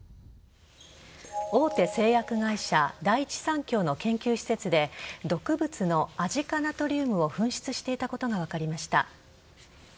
大手製薬会社第一三共の研究施設で毒物のアジ化ナトリウムを紛失していたことが分かりました。